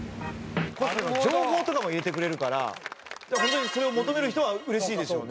コスメの情報とかも入れてくれるから本当にそれを求める人はうれしいでしょうね。